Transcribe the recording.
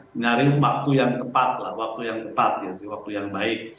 menyaring waktu yang tepat lah waktu yang tepat waktu yang baik